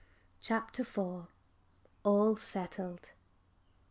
CHAPTER IV. ALL SETTLED.